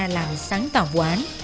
là sáng tạo vụ án